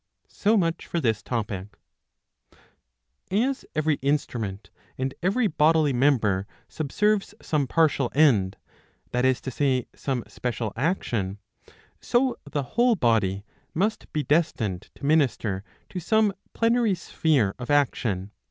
So much for this topic. 645 b. 2 i8 i. 5. As every instrument and every bodily member subserves some partial end, that is to say, some special action, so the whole body must be destined to minister to some plenary sphere of action.